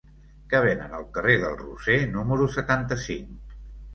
Què venen al carrer del Roser número setanta-cinc?